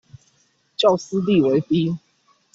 較私地為低